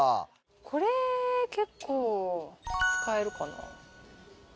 これ結構使えるかな？